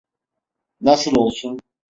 Nasıl olsun?